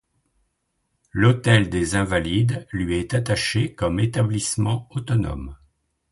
L'Hôtel des Invalides lui est attaché comme établissement autonome.